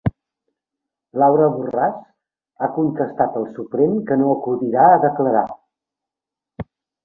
Laura Borràs ha contestat al Suprem que no acudirà a declarar